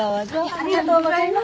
ありがとうございます。